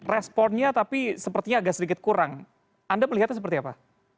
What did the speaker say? responnya tapi sepertinya agak sedikit kurang anda melihatnya seperti apa